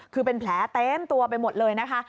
คือเป็นแผลเต็มตัวไปหมดเลยนะคะ